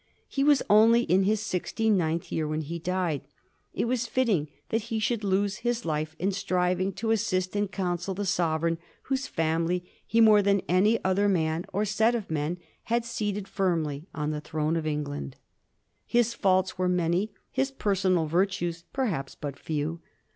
He was only in his sixty ninth year when he died. It was fitting that he should lose his life in striving to assist and counsel the sovereign whose family he more than any other man or set of men had seated firmly on the throne of England. His faults were many; his personal virtues perhaps but few.